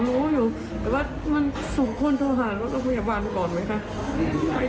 เราต้องพยาบาลก่อนไหมคะ